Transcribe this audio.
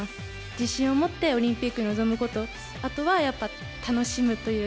自信を持ってオリンピックに臨むこと、あとはやっぱ楽しむという